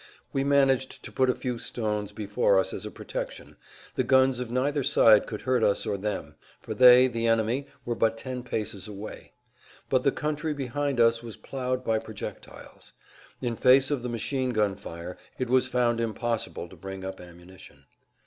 We managed to put a few stones before us as a protection. The guns of neither side could hurt us or them, for they, the enemy, were but ten paces away. But the country behind us was plowed by projectiles. In face of the machine gun fire it was found impossible to bring up ammunition.